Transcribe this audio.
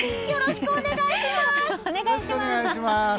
よろしくお願いします！